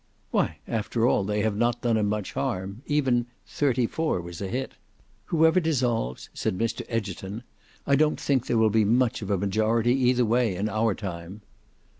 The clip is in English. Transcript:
"Why, after all they have not done him much harm. Even —34 was a hit." "Whoever dissolves," said Mr Egerton, "I don't think there will be much of a majority either way in our time."